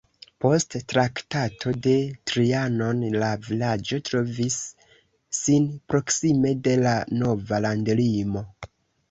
Post Traktato de Trianon la vilaĝo trovis sin proksime de la nova landlimo.